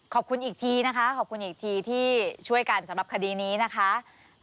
ขอบคุณอีกทีนะคะขอบคุณอีกทีที่ช่วยกันสำหรับคดีนี้นะคะ